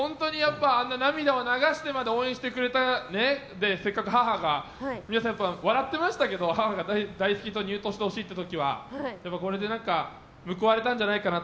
あんな涙を流してまで応援してくれた母が笑ってましたけど母が大好き党に入党してほしいと言った土岐はこれで、報われたんじゃないかと。